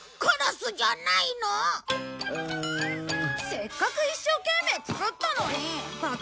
せっかく一生懸命作ったのにバカにして！